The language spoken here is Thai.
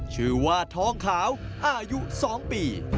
ชื่อว่าทองขาวอายุ๒ปี